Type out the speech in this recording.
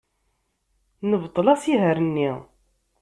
Nebṭel asihaṛ-nni.